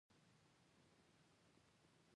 بامیان د افغانانو په ټولنیز ژوند باندې پوره اغېز لري.